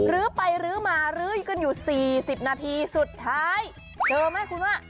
ลื้อไปลื้อมาลื้อกันอยู่๔๐นาทีสุดท้ายเจอไหมคุณว่า